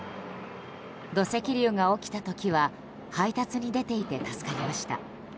土石流が起きた時は配達に出ていて助かりました。